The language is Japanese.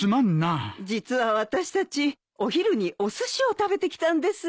実は私たちお昼におすしを食べてきたんですよ。